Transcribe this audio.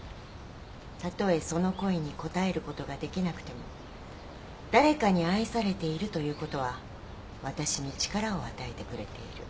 たとえその恋に応えることができなくても誰かに愛されているということは私に力を与えてくれている。